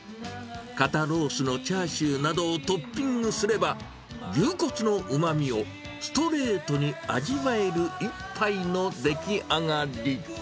肩ロースのチャーシューなどをトッピングすれば、牛骨のうまみをストレートに味わえる一杯の出来上がり。